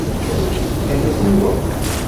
En viro?